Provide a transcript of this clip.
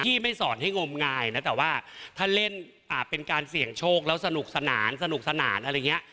ไม่สอนให้งมงายนะแต่ว่าถ้าเล่นเป็นการเสี่ยงโชคแล้วสนุกสนานสนุกสนานอะไรอย่างนี้